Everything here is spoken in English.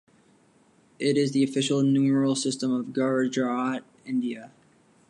It is the official numeral system of Gujarat, India.